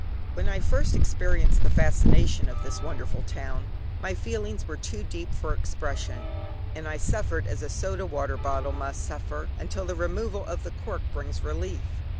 When first I experienced the fascination of this wonderful town, my feelings were too deep for expression, and I suffered as a soda water bottle must suffer, until the removal of the cork brings relief.